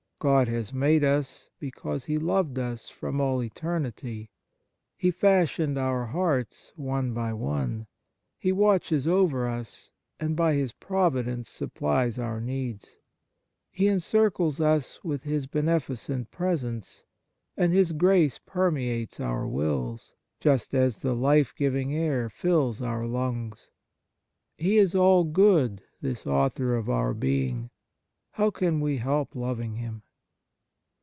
God has made us because He loved us from all eternity. He fashioned our hearts one by one. He watches over us, and by His providence sup plies our needs ; He encircles us with His beneficent presence, and His grace permeates our wills, just as the life giving air fills our lungs. He is all good, this Author of our being. How can we help loving Him?